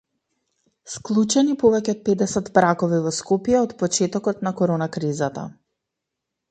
Склучени повеќе од педесет бракови во Скопје од почетокот на корона кризата